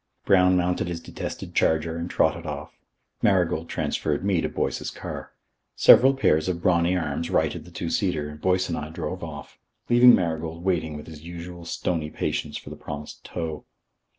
Brown mounted his detested charger and trotted off. Marigold transferred me to Boyce's car. Several pairs of brawny arms righted the two seater and Boyce and I drove off, leaving Marigold waiting with his usual stony patience for the promised tow.